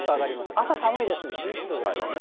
朝寒いですね、１１度ですからね。